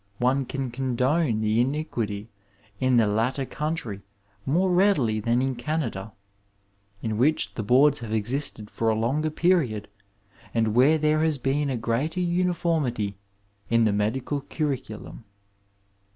One can condone the iniquity in the latter country more readily than in Canada, in which the boards have existed for a longer period, and where there has been a greater uniformity in the medical curriculum.